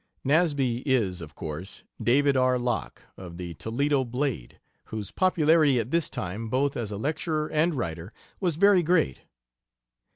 "Nasby" is, of course, David R. Locke, of the Toledo Blade, whose popularity at this time both as a lecturer and writer was very great.